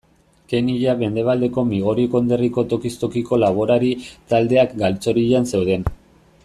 Kenya mendebaldeko Migori konderriko tokiz tokiko laborari taldeak galtzorian zeuden.